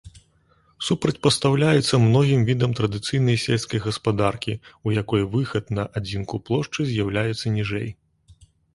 Супрацьпастаўляецца многім відам традыцыйнай сельскай гаспадаркі, у якой выхад на адзінку плошчы з'яўляецца ніжэй.